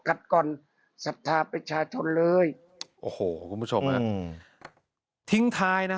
ก่อนศรัทธาประชาชนเลยโอ้โหคุณผู้ชมฮะอืมทิ้งท้ายนะ